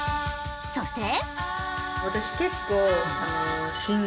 そして。